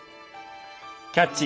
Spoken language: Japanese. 「キャッチ！